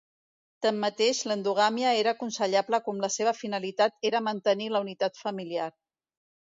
Tanmateix l'endogàmia era aconsellable quan la seva finalitat era mantenir la unitat familiar.